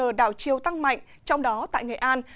giá lợn hơi bất ngờ đảo chiêu tăng mạnh trong đó tại nghệ an